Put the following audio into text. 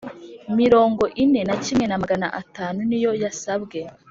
Mirongo ine na kimwe na magana atanu niyo yasabwe